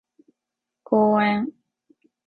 公園